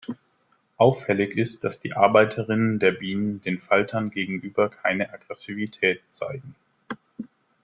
Auffällig ist, dass die Arbeiterinnen der Bienen den Faltern gegenüber keine Aggressivität zeigen.